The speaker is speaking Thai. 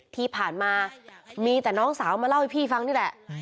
ที่ผ่านมามีแต่น้องสาวมาเล่าให้พี่ฟังนี่แหละ